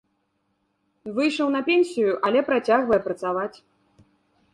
Выйшаў на пенсію, але працягвае працаваць.